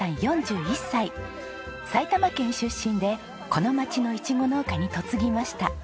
埼玉県出身でこの町のイチゴ農家に嫁ぎました。